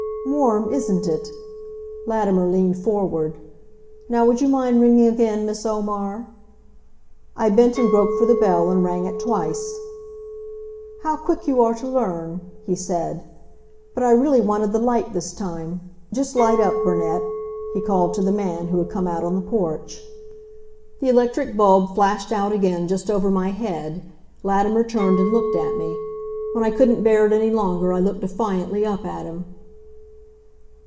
"Warm, isn't it?" Latimer leaned forward. "Now, would you mind ringing again, Miss Omar?" I bent and groped for the bell and rang it twice. "How quick you are to learn!" he said. "But I really wanted the light this time.... Just light up, Burnett," he called to the man, who had come out on the porch. The electric bulb flashed out again just over my head. Latimer turned and looked at me. When I couldn't bear it any longer, I looked defiantly up at him.